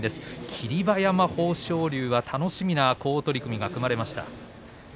霧馬山、豊昇龍が楽しみな好取組が組まれました。